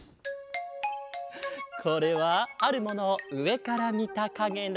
これはあるものをうえからみたかげだ。